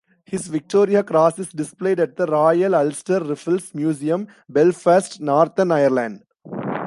His Victoria Cross is displayed at The Royal Ulster Rifles Museum, Belfast, Northern Ireland.